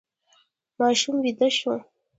ماشوم ویده شو.